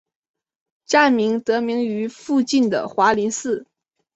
站名得名于附近的华林寺。